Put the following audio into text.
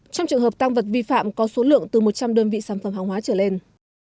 trong trường hợp tăng vật vi phạm có số lượng từ một trăm linh đơn vị sản phẩm hàng hóa trở lên